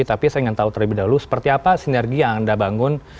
tapi saya ingin tahu terlebih dahulu seperti apa sinergi yang anda bangun